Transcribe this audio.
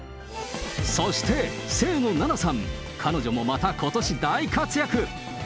そして、清野菜名さん、彼女もまたことし大活躍。